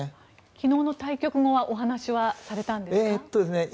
昨日の対局後はお話はされたんですか？